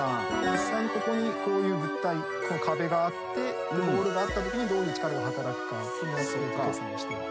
実際にここにこういう物体壁があってボールがあった時にどういう力が働くかを計算してる。